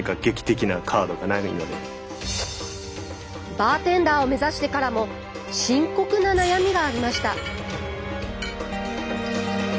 バーテンダーを目指してからも深刻な悩みがありました。